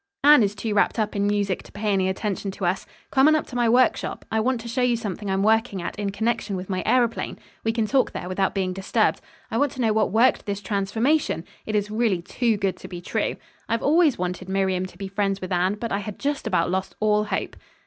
"Anne is too wrapped up in music to pay any attention to us. Come on up to my workshop. I want to show you something I'm working at in connection with my aëroplane. We can talk there, without being disturbed. I want to know what worked this transformation. It is really too good to be true. I've always wanted Miriam to be friends with Anne, but I had just about lost all hope."